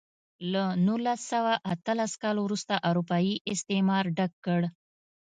له نولس سوه اتلس کال وروسته اروپايي استعمار ډک کړ.